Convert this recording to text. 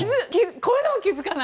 これでも気付かない？